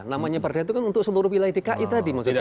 namanya perda itu kan untuk seluruh wilayah dki tadi maksud saya